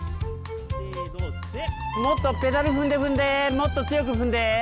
もっとペダル踏んで踏んでもっと強く踏んで。